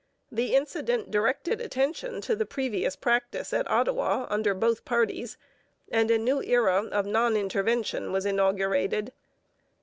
The incident directed attention to the previous practice at Ottawa under both parties and a new era of non intervention was inaugurated.